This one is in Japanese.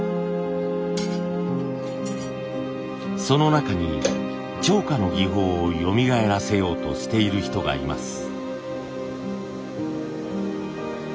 その中に貼花の技法をよみがえらせようとしている人がいます。